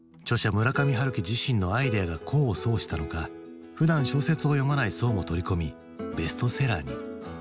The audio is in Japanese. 村上春樹自身のアイデアが功を奏したのかふだん小説を読まない層も取り込みベストセラーに。